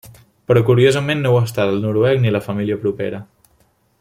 Però curiosament no ho està del noruec ni la família propera.